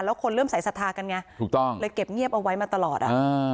แล้วคนเริ่มสายศรัทธากันไงถูกต้องเลยเก็บเงียบเอาไว้มาตลอดอ่ะอ่า